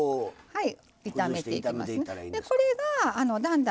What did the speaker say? はい。